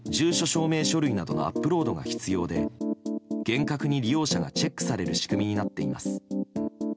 証明書類のアップロードが必要で厳格に利用者がチェックされる仕組みになっています。